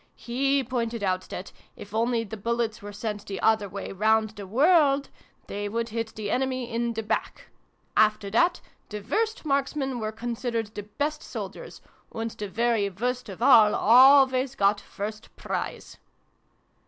He pointed out that, if only the bullets were sent the other way round the world, they would hit the enemy in the back. After that, the worst marksmen were consid ered the best soldiers ; and the very worst of all always got First Prize."